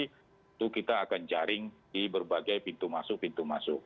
itu kita akan jaring di berbagai pintu masuk pintu masuk